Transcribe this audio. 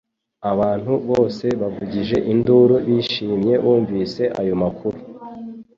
Abantu bose bavugije induru bishimye bumvise ayo makuru